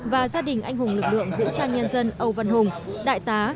và gia đình anh hùng lực lượng vũ trang nhân dân âu văn hùng đại tá